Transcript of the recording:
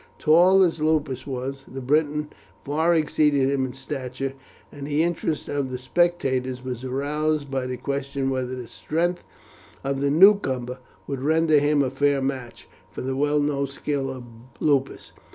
Tall as Lupus was, the Briton far exceeded him in stature, and the interest of the spectators was aroused by the question whether the strength of the newcomer would render him a fair match for the well known skill of Lupus.